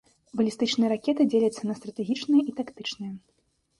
Балістычныя ракеты дзеляцца на стратэгічныя і тактычныя.